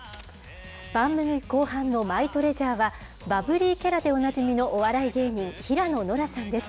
番組後半のマイトレジャーは、バブリーキャラでおなじみのお笑い芸人、平野ノラさんです。